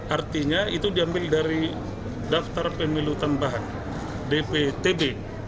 artinya itu diambil dari daftar pemilu tambahan dptb